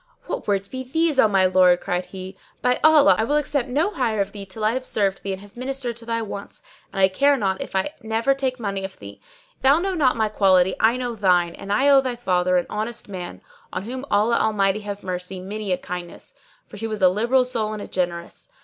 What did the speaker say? "What words be these, O my lord?" cried he. "By Allah! I will accept no hire of thee till I have served thee and have ministered to thy wants; and I care not if I never take money of thee. If thou know not my quality, I know thine; and I owe thy father, an honest man, on whom Allah Almighty have mercy! many a kindness, for he was a liberal soul and a generous.